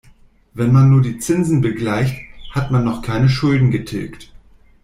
Wenn man nur die Zinsen begleicht, hat man noch keine Schulden getilgt.